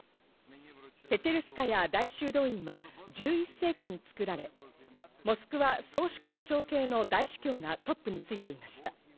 ペチェルスカヤ大修道院は１１世紀に造られ、モスクワ総主教庁系の大主教がトップについていました。